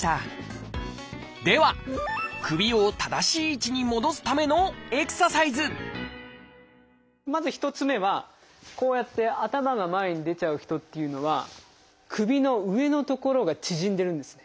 では首を正しい位置に戻すためのエクササイズまず１つ目はこうやって頭が前に出ちゃう人っていうのは首の上の所が縮んでるんですね。